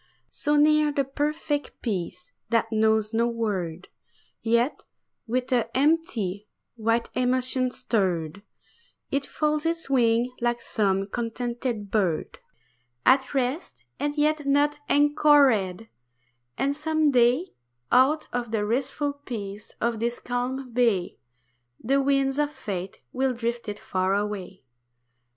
So near the perfect peace that knows no word; Yet with an empty, white emotion stirred, It folds its wings like some contented bird. At rest, and yet not anchored; and some day Out of the restful peace of this calm bay The winds of Fate will drift it far away.